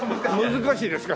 難しいですか？